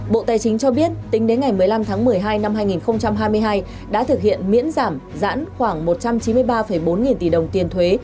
bộ tài chính cho biết tính đến ngày một mươi năm tháng một mươi hai năm hai nghìn hai mươi hai đã thực hiện miễn giảm giãn khoảng một trăm chín mươi ba bốn nghìn tỷ đồng tiền thuế